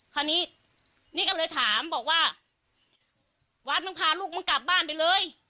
คราวนี้นี่ก็เลยถามบอกว่าวัดมึงพาลูกมึงกลับบ้านไปเลย